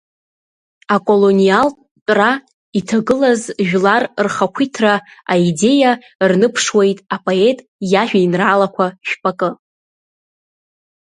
Аколониалтә тәра иҭагылаз жәлар рхақәиҭра аидеиа рныԥшуеит апоет иажәеинраалақәа жәпакы.